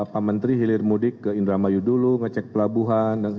pak menteri hilir mudik ke indramayu dulu ngecek pelabuhan